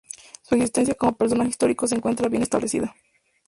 Su existencia como personaje histórico se encuentra bien establecida.